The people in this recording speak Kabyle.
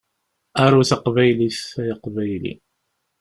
Aru taqbaylit, ay Aqbayli.